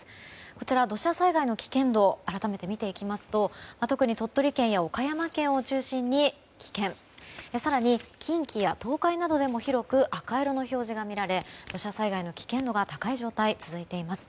こちら土砂災害の危険度を改めて見ていきますと特に鳥取県や岡山県を中心に危険更に、近畿や東海などでも広く赤色の表示が見られ土砂災害の危険度が高い状態が続いています。